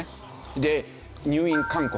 で入院勧告。